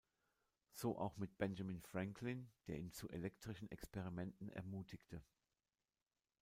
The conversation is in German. So auch mit Benjamin Franklin, der ihn zu elektrischen Experimenten ermutigte.